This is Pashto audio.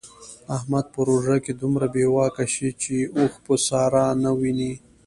احمد په روژه کې دومره بې واکه شي چې اوښ په ساره نه ویني.